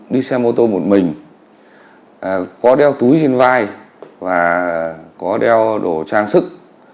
đi xe mô tô một mình có đeo túi trên vai và có đeo đồ trang sức